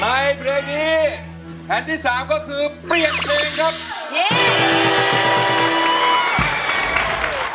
ในเพลงนี้แผ่นที่สามก็คือเปลี่ยนเพลงครับ